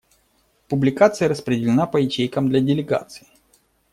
Публикация распределена по ячейкам для делегаций.